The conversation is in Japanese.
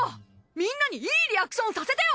みんなにいいリアクションさせてよ！